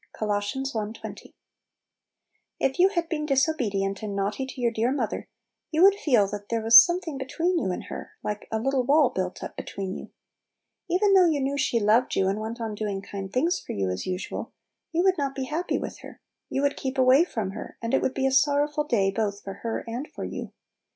Col. i 20. IF you had been disobedient and naughty to your dear mother, you would feel that there was something between you and her, like a little wall Little Pillows, 25 built up between you. Even though you knew she loved you and went on doing kind things for you as usual, you would not be happy with her; you would keep away from her, and it would be a sorrowful day both for her and for you.